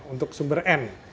untuk sumber n